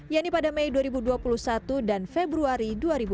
yaitu pada mei dua ribu dua puluh satu dan februari dua ribu dua puluh